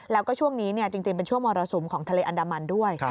แล้วก็ช่วงนี้จริงเป็นช่วงมรสุมของทะเลอันดามันด้วย